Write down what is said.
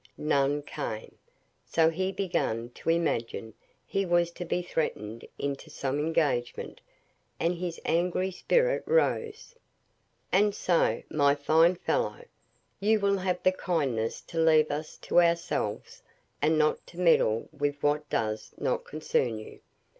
None came; so he began to imagine he was to be threatened into some engagement, and his angry spirit rose. "And so, my fine fellow, you will have the kindness to leave us to ourselves, and not meddle with what does not concern you.